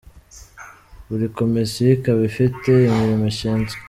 Buri Komisiyo ikaba ifite imirimo ishinzwe.